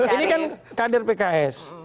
ini kan kader pks